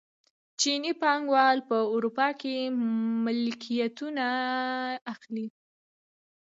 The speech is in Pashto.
چیني پانګوال په اروپا کې ملکیتونه اخلي.